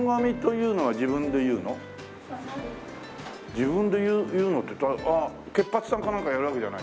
自分で結うのって結髪さんかなんかがやるわけじゃない？